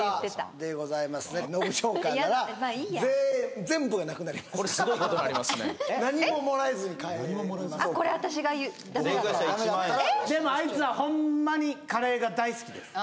でもあいつはホンマにカレーが大好きです